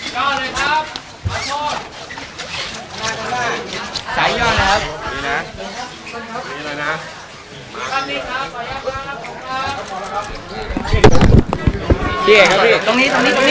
ขอบคุณครับเยอะเลย